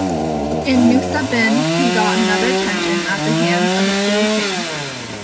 In Nusaybin, he got another tension at the hands of a cruel king.